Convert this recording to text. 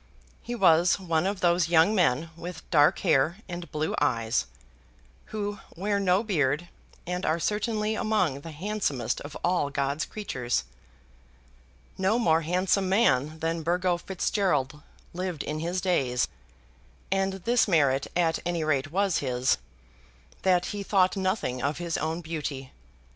He was one of those young men with dark hair and blue eyes, who wear no beard, and are certainly among the handsomest of all God's creatures. No more handsome man than Burgo Fitzgerald lived in his days; and this merit at any rate was his, that he thought nothing of his own beauty.